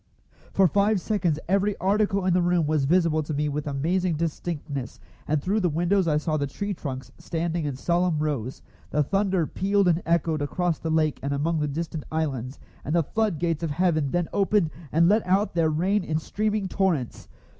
For five seconds every article in the room was visible to me with amazing distinctness, and through the windows I saw the tree trunks standing in solemn rows. The thunder pealed and echoed across the lake and among the distant islands, and the flood gates of heaven then opened and let out their rain in streaming torrents.